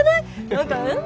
何かうん？